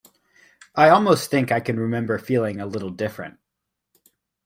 I almost think I can remember feeling a little different.